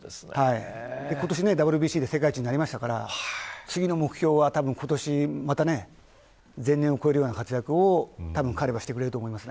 今年、ＷＢＣで世界一になりましたから次の目標は、今年また前年を超えるような活躍を彼は、してくれると思います。